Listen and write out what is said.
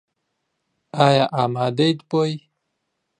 ئایا ئامادەیت بۆی؟